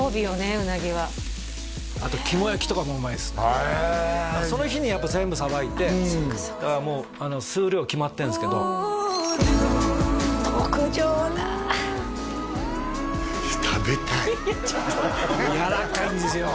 ウナギはあと肝焼きとかもうまいっすねその日にやっぱ全部さばいてだからもう数量決まってるんですけど特上だ食べたいやわらかいんですよ